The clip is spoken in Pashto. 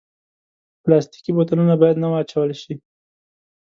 پلاستيکي بوتلونه باید نه واچول شي.